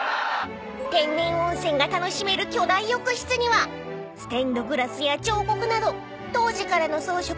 ［天然温泉が楽しめる巨大浴室にはステンドグラスや彫刻など当時からの装飾がずらり］